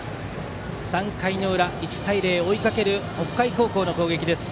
３回裏、１対０と追いかける北海高校の攻撃。